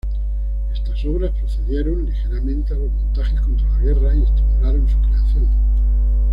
Estas obras precedieron ligeramente a los montajes contra la guerra y estimularon su creación.